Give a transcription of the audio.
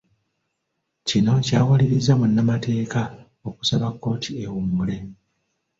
Kino kyawaliririzza munnamateeka okusaba kkooti ewummule.